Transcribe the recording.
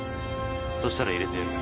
そしたら入れてやる。